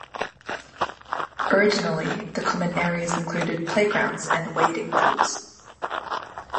Originally the common areas included playgrounds and wading pools.